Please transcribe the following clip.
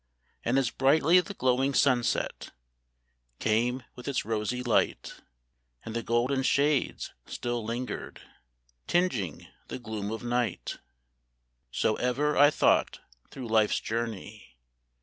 And as brightly the glowing sunset Came with its rosy light, And the golden shades still lingered. Tinging the gloom of night, — So, ever, I thought, through life's journey.